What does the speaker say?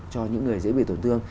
cho những người dễ bị tổn thương